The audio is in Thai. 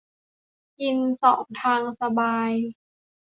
กินสองทางสบาย